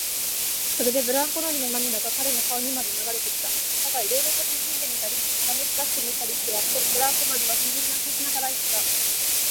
それでブランコ乗りの涙が彼の顔にまで流れてきた。だが、いろいろたずねてみたり、なだめすかしてみたりしてやっと、ブランコ乗りはすすり泣きしながらいった。